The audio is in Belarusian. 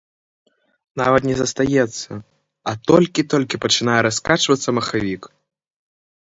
Нават не застаецца, а толькі-толькі пачынае раскачвацца махавік!